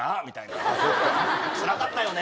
つらかったよねって。